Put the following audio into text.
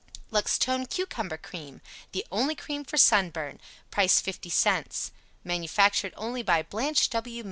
LUXTONE CUCUMBER CREAM. The only cream for sunburn. Price 50c. Manufactured only by BLANCHE W.